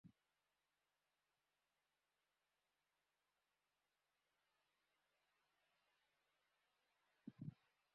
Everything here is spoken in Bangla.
সম্মেলনে সমন্বিত সেনাবাহিনী গড়ে তোলার প্রস্তাবটি দেন স্বাগতিক মিসরের প্রেসিডেন্ট আবদেল ফাত্তাহ আল-সিসি।